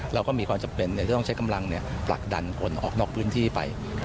เราก็มีความจำเป็นจะต้องใช้กำลังผลักดันคนออกนอกพื้นที่ไป